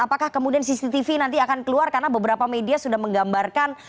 apakah kemudian cctv nanti akan keluar karena beberapa media sudah menggambarkan